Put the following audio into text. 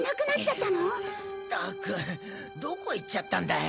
ったくどこ行っちゃったんだよ？